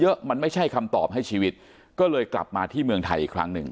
มันไม่ใช่คำตอบให้ชีวิตก็เลยกลับมาที่เมืองไทยอีกครั้งหนึ่ง